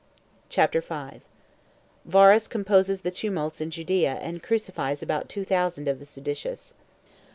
CHAPTER 5. Varus Composes The Tumults In Judea And Crucifies About Two Thousand Of The Seditious.